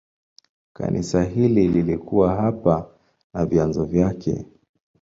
Kanisa hili lilikuwa hapa na vyanzo vyake.